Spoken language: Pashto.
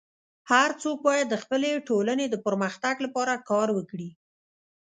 هر څوک باید د خپلي ټولني د پرمختګ لپاره کار وکړي.